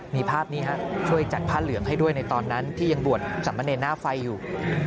มีภาพนี้ช่วยจัดผ้าเหลืองให้ด้วยในตอนนั้นที่ยังบวชสามเณรหน้าไฟอยู่